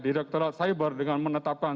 direkturat cyber dengan menetapkan